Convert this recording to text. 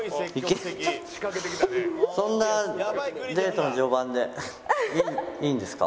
そんなデートの序盤でいいんですか？